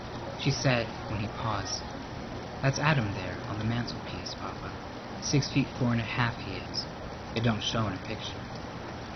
She said, when he paused: "That's Adam, there, on the mantelpiece, Papa. Six feet four and a half he is. It don't show in a picture."